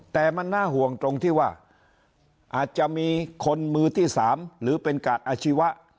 แต่มันน่าห่วงตรงที่ว่าอาจจะมีคนมือที่๓หรือเป็นกาดอาชีวะ